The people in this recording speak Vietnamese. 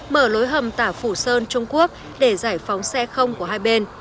mở lối hầm tả phủ sơn trung quốc để giải phóng xe không của hai bên